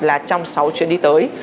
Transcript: là trong sáu chuyến đi tới